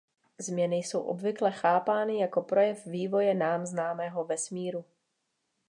Změny jsou obvykle chápány jako projev vývoje nám známého vesmíru.